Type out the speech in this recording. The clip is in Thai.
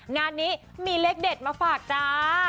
งานนี้มีเลขเด็ดมาฝากจ้า